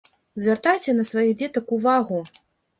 Звяртайце на сваіх дзетак увагу!